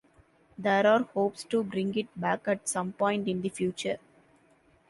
There are hopes to bring it back at some point in the future.